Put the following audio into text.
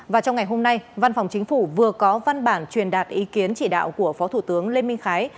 và trong ngày hôm nay văn phòng chính phủ vừa có văn bản truyền đạt ý kiến chỉ đạo của phó thủ tướng lê minh khái